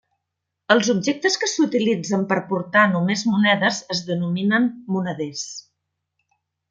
Els objectes que s'utilitzen per portar només monedes es denominen moneders.